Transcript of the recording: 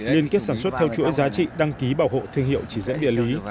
liên kết sản xuất theo chuỗi giá trị đăng ký bảo hộ thương hiệu chỉ dẫn địa lý